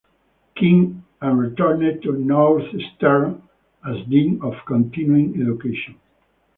King and returned to Northeastern as dean of continuing education.